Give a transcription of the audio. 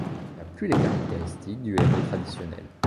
Il n'a plus les caractéristiques du héros traditionnel.